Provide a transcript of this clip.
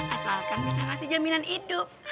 asalkan bisa ngasih jaminan hidup